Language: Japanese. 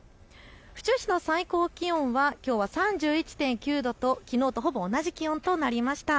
府中市の最高気温はきょうは３１．９度ときのうとほぼ同じ気温となりました。